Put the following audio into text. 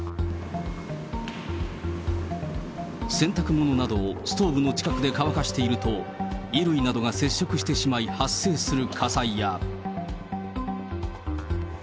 洗濯物などをストーブの近くで乾かしていると、衣類などが接触してしまい発生する火災や。